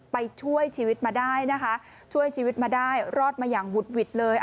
ไปช่วยชีวิตมาได้นะคะช่วยชีวิตมาได้รอดมาอย่างวุดหวิดเลย